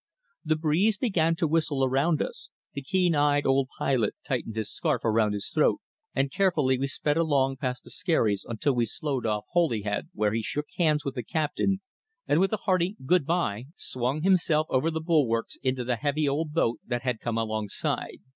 The breeze began to whistle around us, the keen eyed old pilot tightened his scarf around his throat, and carefully we sped along past the Skerries until we slowed off Holyhead, where he shook hands with the captain, and with a hearty "good bye" swung himself over the bulwarks into the heavy old boat that had come alongside.